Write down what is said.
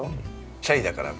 シャイだから僕。